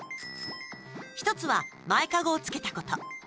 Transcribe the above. １つは、前カゴをつけたこと。